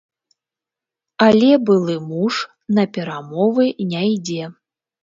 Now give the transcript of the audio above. Але былы муж на перамовы не ідзе.